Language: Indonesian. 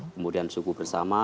kemudian suku bersama